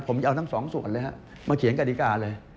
ผมจะเอาทั้งสองส่วนเลยฮะมาเขียนกฎิกาเลย